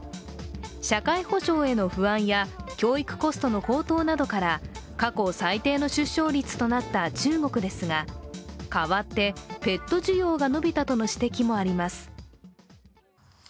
社会保障への不安や教育コストの高騰などから過去最低の出生率となった中国ですが、変わってペット需要が伸びたとの指摘もあります。